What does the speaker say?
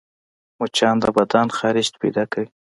مچان د بدن خارښت پیدا کوي